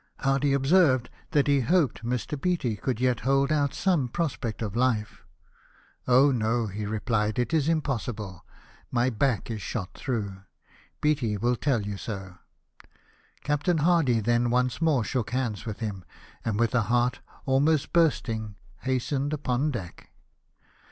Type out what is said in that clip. Hardy observed that he hoped Mr. Beatty could yet hold out some prospect of life. " Oh, no !" he replied, ''it is impossible. My back is shot through. Beatty will tell you so." Captain Hardy then once more shook hands with him, and with a heart almost bursting hastened upon deck.